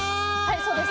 そうです。